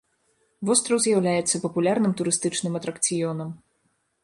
Востраў з'яўляецца папулярным турыстычным атракцыёнам.